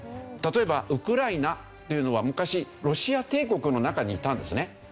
例えばウクライナっていうのは昔ロシア帝国の中にいたんですね。